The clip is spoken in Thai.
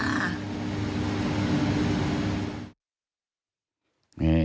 ใช่